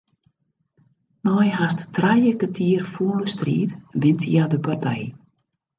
Nei hast trije kertier fûle striid wint hja de partij.